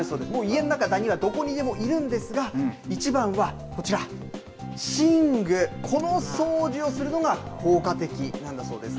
家の中、だにはどこにでもいるんですがいちばんはこちら寝具、この掃除をするのが効果的なんだそうです。